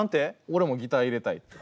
俺もギター入れたいって。